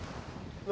何？